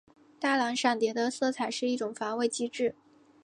大蓝闪蝶的色彩是一种防卫机制。